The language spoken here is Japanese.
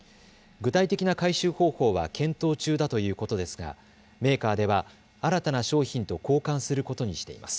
具体的な回収方法は検討中だということですがメーカーでは新たな商品と交換することにしています。